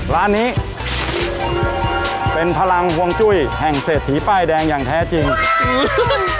ร้านนี้เป็นพลังห่วงจุ้ยแห่งเศรษฐีป้ายแดงอย่างแท้จริง